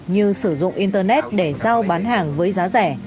như sử dụng internet để giao bán hàng với giá rẻ